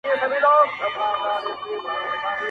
اوس د ماشوخېل زاړه خوبونه ریشتیا کېږي؛